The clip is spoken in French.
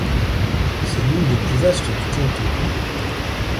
C'est l'une des plus vastes du canton.